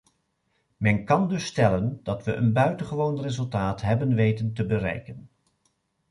Men kan dus stellen dat we een buitengewoon resultaat hebben weten te bereiken.